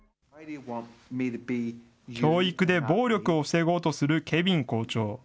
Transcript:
教育で暴力を防ごうとするケヴィン校長。